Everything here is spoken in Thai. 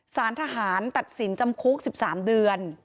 สารทหารตัดสินจำคุก๑๓เดือน